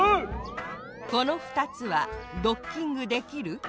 このふたつはドッキングできる？